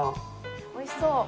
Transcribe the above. おいしそう。